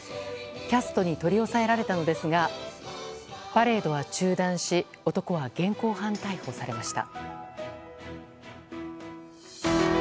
キャストに取り押さえられたのですがパレードは中断し男は現行犯逮捕されました。